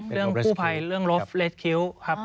เรื่องกู้ภัยเรื่องรอฟเลสคิว